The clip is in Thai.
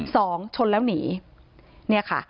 สองชนแล้วหนี